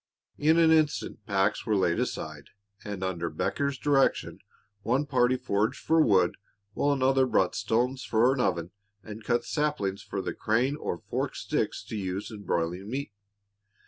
In an instant packs were laid aside, and under Becker's direction one party foraged for wood while another brought stones for an oven and cut saplings for the crane or forked sticks to use in broiling meat.